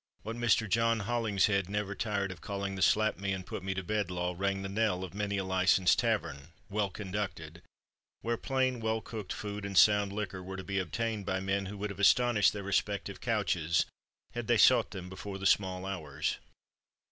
What Mr. John Hollingshead never tired of calling the "slap me and put me to bed law" rang the knell of many a licensed tavern, well conducted, where plain, well cooked food and sound liquor were to be obtained by men who would have astonished their respective couches had they sought them before the small hours.